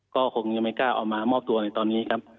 ก็คงยังไม่กล้าเอามามอบตัวในตอนนี้ครับ